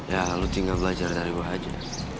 ya lu tinggal belajar dari rumah aja